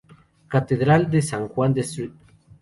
Catedral de San Juan de St.